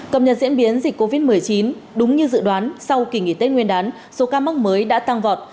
cập nhật diễn biến dịch covid một mươi chín đúng như dự đoán sau kỳ nghỉ tết nguyên đán số ca mắc mới đã tăng vọt